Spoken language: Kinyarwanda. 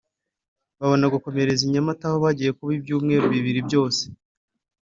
babona gukomereza i Nyamata aho bagiye kuba ibyumweru bibiri byose